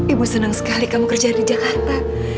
ibu senang sekali kamu kerja di jakarta